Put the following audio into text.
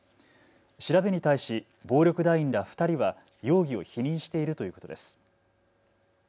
調べに対し暴力団員ら２人は容疑を否認しているということです。